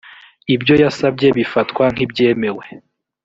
ibyo yasabye bifatwa nk’ibyemewe